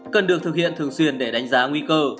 cần được thực hiện thường xuyên để đánh giá nguy cơ